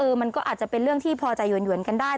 คือมันก็อาจจะเป็นเรื่องที่พอใจหวนกันได้